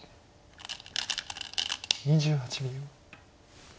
２８秒。